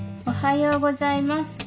おはようございます。